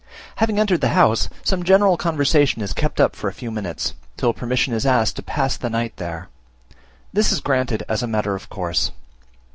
Having entered the house, some general conversation is kept up for a few minutes, till permission is asked to pass the night there. This is granted as a matter of course.